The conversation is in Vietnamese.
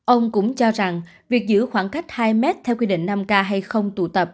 ông cũng cho rằng việc giữ khoảng cách hai mét theo quy định năm k hay không tụ tập